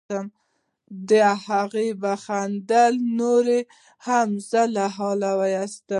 د هغې خندا نوره هم زه له حاله ویستلم.